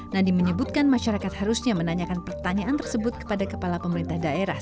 nadiem menyebutkan masyarakat harusnya menanyakan pertanyaan tersebut kepada kepala pemerintah daerah